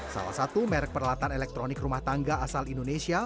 salah satu merek peralatan elektronik rumah tangga asal indonesia